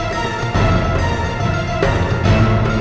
jangan lupa joko tingkir